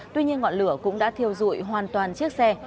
tuy nhiên ngọn lửa cũng đã thiêu dụi hoàn toàn chiếc xe